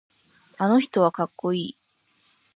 あの人はかっこいい。